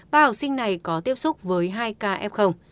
ba học sinh này có tiếp xúc với hai kf